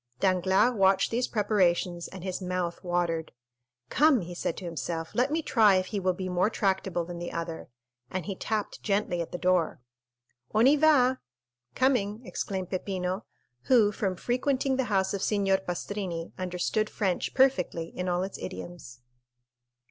Danglars watched these preparations and his mouth watered. "Come," he said to himself, "let me try if he will be more tractable than the other;" and he tapped gently at the door. "On y va," (coming) exclaimed Peppino, who from frequenting the house of Signor Pastrini understood French perfectly in all its idioms.